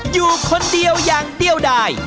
อยู่คนเดียวอย่างเดียวได้